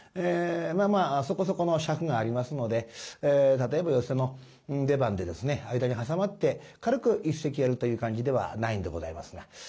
まあまあそこそこの尺がありますので例えば寄席の出番で間に挟まって軽く一席やるという感じではないんでございますが。